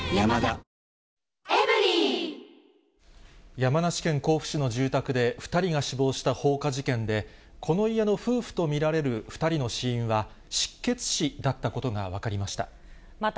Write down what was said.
山梨県甲府市の住宅で、２人が死亡した放火事件で、この家の夫婦と見られる２人の死因は、失血死だったことが分かりました。